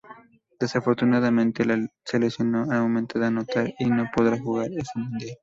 Desafortunadamente se lesionó al momento de anotar y no podría jugar ese Mundial.